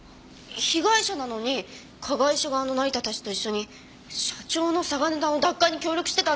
被害者なのに加害者側の成田たちと一緒に社長の嵯峨根田の奪還に協力してたんですか？